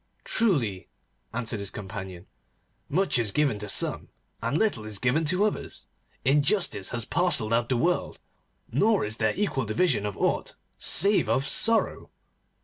'Truly,' answered his companion, 'much is given to some, and little is given to others. Injustice has parcelled out the world, nor is there equal division of aught save of sorrow.